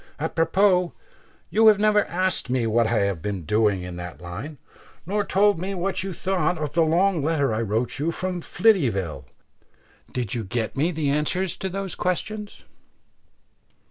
Apropos, you have never asked me what I have been doing in that line; nor told me what you thought of the long letter I wrote you from Flityville. Did you get me the answers to those questions?"